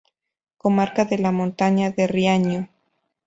Comarca de la Montaña de Riaño.